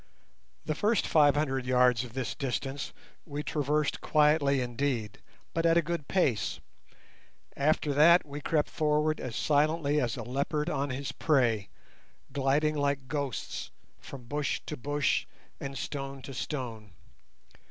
The first five hundred yards of this distance we traversed quietly indeed, but at a good pace; after that we crept forward as silently as a leopard on his prey, gliding like ghosts from bush to bush and stone to stone.